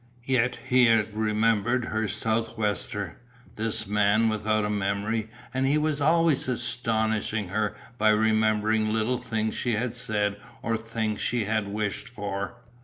Yet he had remembered her sou'wester, this man without a memory and he was always astonishing her by remembering little things she had said or things she had wished for.